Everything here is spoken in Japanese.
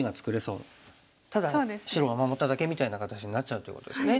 ただ白は守っただけみたいな形になっちゃうということですね。